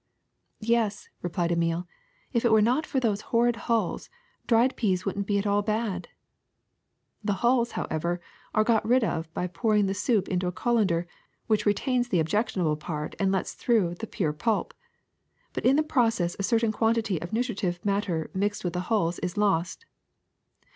'' ^^Yes," replied Emile, ''if it were not for those horrid hulls, dried peas would n 't be at all bad. '' ''The hulls, however, are got rid of by pouring the soup into a colander, which retains the objectionable part and lets through the pure pulp. But in the process a certain quantity of nutritive matter mixed with the hulls is lost.